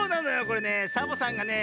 これねサボさんがね